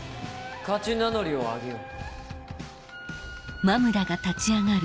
勝ち名乗りを上げよ。